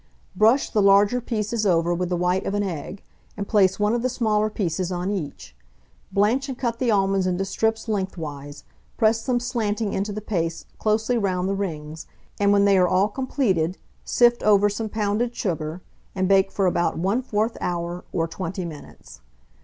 Brush the larger pieces over with the white of an egg, and place one of the smaller pieces on each. Blanch and cut the almonds into strips lengthwise; press them slanting into the paste closely round the rings; and when they are all completed, sift over some pounded sugar, and bake for about 1/4 hour or 20 minutes.